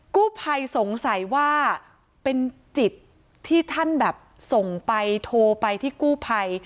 กู้ภัยสงสัยว่าเป็นจิตที่ท่านแบบส่งไปโทรไปที่กู้ภัย